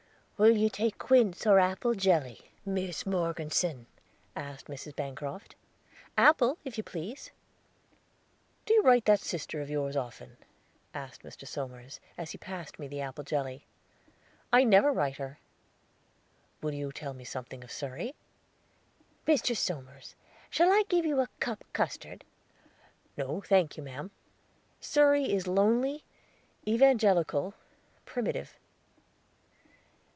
"Will you take quince or apple jelly, Miss Morgeson?" asked Mrs. Bancroft. "Apple, if you please." "Do you write that sister of yours often?" asked Mr. Somers, as he passed me the apple jelly. "I never write her." "Will you tell me something of Surrey?" "Mr. Somers, shall I give you a cup custard?" "No, thank you, mam." "Surrey is lonely, evangelical, primitive."